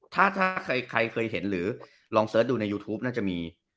ถ้าใครเคยเห็นหรือลองเสิร์ชดูในยูทูปน่าจะมี